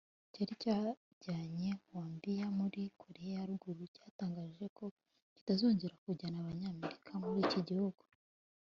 cyari cyajyanye Warmbier muri Koreya ya Ruguru cyatangaje ko kitazongera kujyana Abanyamerika muri iki gihugu